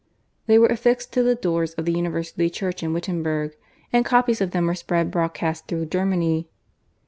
They were affixed to the doors of the university church in Wittenberg, and copies of them were spread broadcast through Germany.